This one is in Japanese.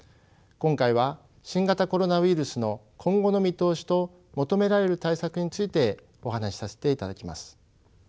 今回は新型コロナウイルスの今後の見通しと求められる対策についてお話しさせていただきます。